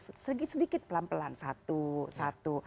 sedikit sedikit pelan pelan satu satu